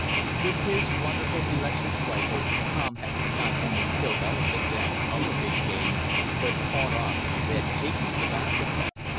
With his wonderful electric rifle Tom had not only killed elephants, and other big game, but fought off the red pygmies of Africa.